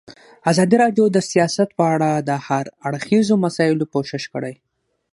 ازادي راډیو د سیاست په اړه د هر اړخیزو مسایلو پوښښ کړی.